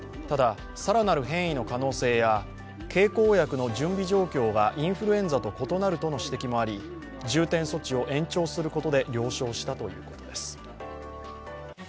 ただ、更なる変異の可能性や経口薬の準備状況がインフルエンザと異なるとの指摘もあり重点措置を延長することで了承したということです。